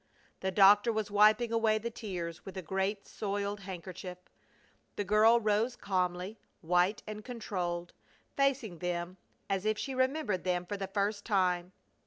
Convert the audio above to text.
The doctor was wiping away the tears with a great, soiled handkerchief. The girl rose calmly, white and controlled, facing them as if she remembered them for the first time.